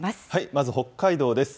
まず北海道です。